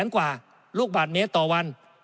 ๐กว่าลูกบาทเมตรต่อวัน